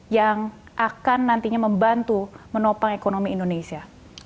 yang akan nantinya membantu menopang ekonomi indonesia